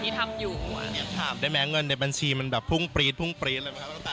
มาถามได้ไหมเงินในบัญชีมันพุ่งปรี๊ดเลยไม่รู้ต้องไปถามแม่